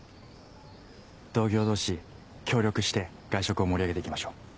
同業同士協力して外食を盛り上げて行きましょう。